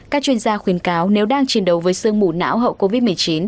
các chuyên gia khuyến cáo nếu đang chiến đấu với sương mù não hậu covid một mươi chín